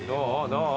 どう？